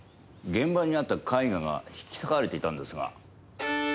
現場にあった絵画が引き裂かれていたんですが。